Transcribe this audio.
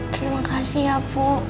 terima kasih ya bu